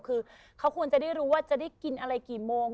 คือเขาควรจะได้รู้ว่าจะได้กินอะไรกี่โมง